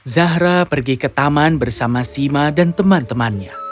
zahra pergi ke taman bersama sima dan teman temannya